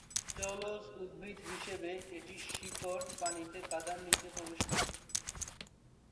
জলজ উদ্ভিদ হিসেবে এটির শিকড় পানিতে কাদার নিচে প্রবেশ করে।